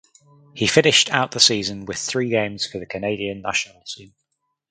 He finished out the season with three games for the Canadian national team.